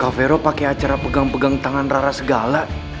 kak vero pakai acara pegang pegang tangan rara segala